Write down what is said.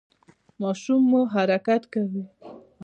ماشوم مو حرکت کوي؟